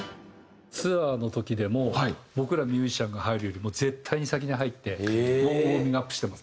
ツアーの時でも僕らミュージシャンが入るよりも絶対に先に入ってウォーミングアップしてますね。